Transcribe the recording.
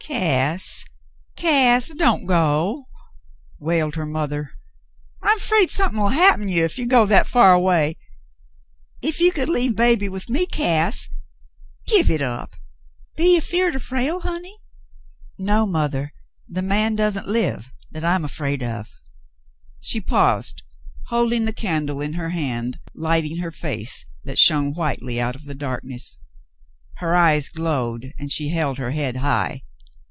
"Cass, Cass, don't go," wailed her mother. "I'm afraid somethin'll happen you if you go that far away. If you could leave baby with me, Cass ! Give hit up. Be ye 'feared o' Frale, honey ?" "No, mother, the man doesn't live that I'm afraid of." She paused, holding the candle in her hand, lighting her face that shone whitely out of the darkness. Her eyes glowed, and she held her head high.